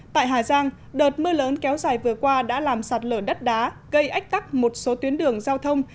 tại hà giang đợt mưa lớn kéo dài vừa qua đã làm sạt lở đất đá gây ách tắc một số tuyến đường giao thông